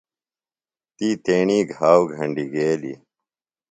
تی تیݨی گھاؤ گھنڈیۡ گیلیۡ۔